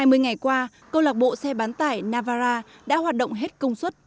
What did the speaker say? hơn hai mươi ngày qua câu lạc bộ xe bán tải navara đã hoạt động hết công suất